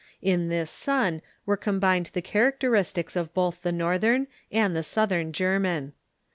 In this son were combined the characteristics of both the northern and the southern German.